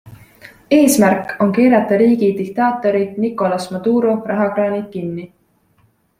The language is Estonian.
Eesmärk on keerata riigi diktaatori Nicolas Maduro rahakraanid kinni.